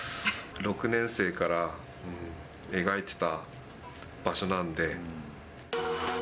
６年生から描いてた場所なんで。